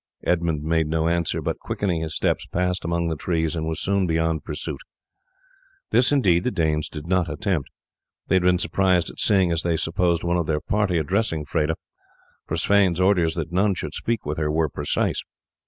Edmund made no answer, but, quickening his steps, passed among the trees, and was soon beyond pursuit. This, indeed, the Danes did not attempt. They had been surprised at seeing, as they supposed, one of their party addressing Freda, for Sweyn's orders that none should speak with her were precise.